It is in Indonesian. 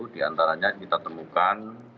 diantaranya kita temukan